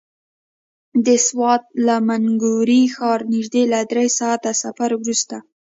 د سوات له مينګورې ښاره نژدې له دری ساعته سفر وروسته.